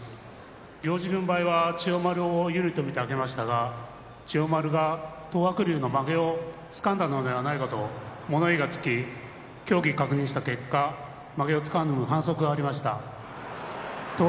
行司は千代丸を有利として挙げましたが千代丸は東白龍のまげをつかんだのではないかと物言いがつき確認したところまげをつかむ反則がありました。